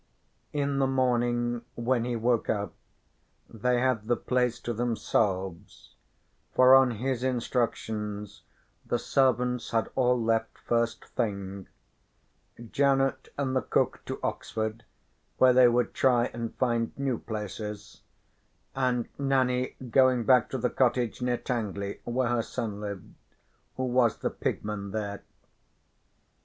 In the morning when he woke up they had the place to themselves, for on his instructions the servants had all left first thing: Janet and the cook to Oxford, where they would try and find new places, and Nanny going back to the cottage near Tangley, where her son lived, who was the pigman there.